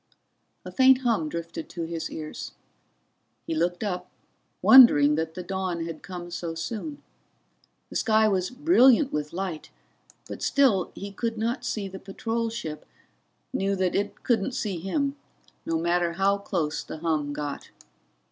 A faint hum drifted to his ears. He looked up, wondering that the dawn had come so soon. The sky was brilliant with light, but still he could not see the patrol ship, knew that it couldn't see him, no matter how close the hum got.